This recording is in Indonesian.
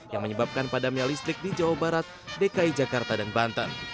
yang menyebabkan padamnya listrik di jawa barat dki jakarta dan banten